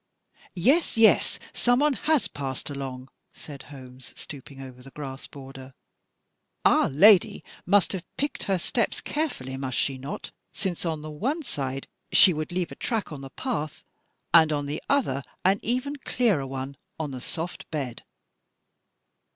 "Yes, yes; someone has passed along," said Holmes, stooping over the grass border. "Our lady must have picked her steps carefully, must she not, since on the one side she would leave a track on the path, and on the other an even clearer one on the soft bed?"